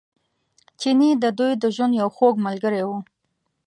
چیني د دوی د ژوند یو خوږ ملګری و.